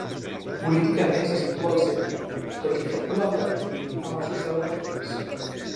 Políticament se situa al centre, tot i que ha col·laborat sovint amb els Socialdemòcrates.